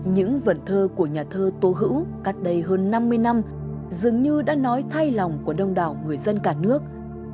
những vận thơ của nhà thơ tô hữu cắt đầy hơn năm mươi năm dường như đã nói thay lòng của đông đảo người dân cả nước